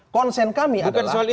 konsen kami adalah